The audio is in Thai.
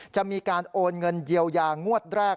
มีการโอนเงินเยียวยางวดแรก